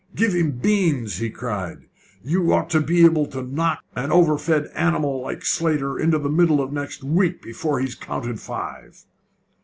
"Give him beans!" he cried. "You ought to be able to knock an over fed animal like Slater into the middle of next week before he's counted five."